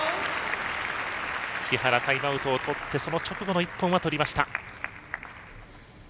木原、タイムアウトをとってその直後の１本は取りました。